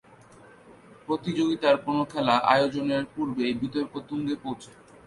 প্রতিযোগিতার কোন খেলা আয়োজনের পূর্বেই বিতর্ক তুঙ্গে পৌঁছে।